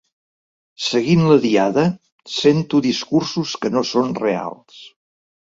Seguint la Diada, sento discursos que no són reals.